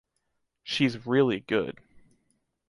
She’s really good.